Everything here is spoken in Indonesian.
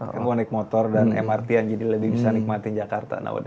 kamu naik motor dan mrt an jadi lebih bisa nikmatin jakarta